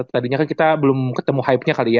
tadinya kan kita belum ketemu hype nya kali ya